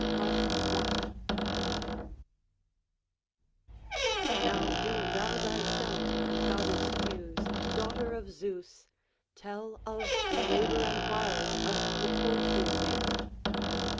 BOOK IV Now do thou thyself, goddess Muse, daughter of Zeus, tell of the labour and wiles of the Colchian maiden.